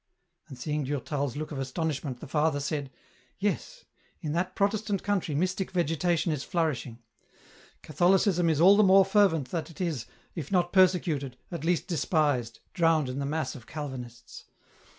And seeing Durtal's look of astonishment, the father said, " Yes, in that Protestant country mystic vegetation is flourishing. Catholicism is all the more fervent that it is, if not persecuted, at least despised, drowned in the mass of Calvinists.